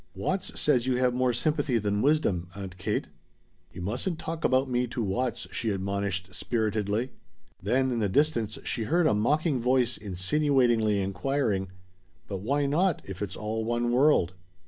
"Watts says you have more sympathy than wisdom, Aunt Kate." "You mustn't talk about me to Watts," she admonished spiritedly. Then in the distance she heard a mocking voice insinuatingly inquiring: "But why not, if it's all one world?"